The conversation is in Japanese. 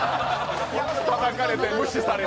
たたかれて、無視されて。